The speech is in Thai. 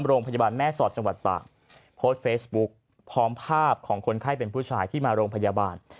โรงพยาบาลแม่สอดจังหวัดตากโพสต์เฟซบุ๊กพร้อมภาพของคนไข้เป็นผู้ชายที่มาโรงพยาบาล